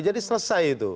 jadi selesai itu